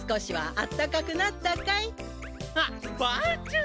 あっばあちゃん。